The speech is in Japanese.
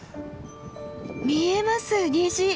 見えます虹！